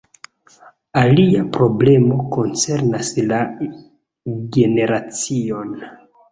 Alia problemo koncernas la generaciojn.